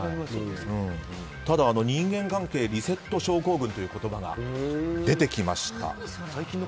ただ人間関係リセット症候群という言葉が出てきました。